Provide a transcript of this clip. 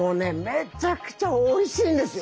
めちゃくちゃおいしいんですよ。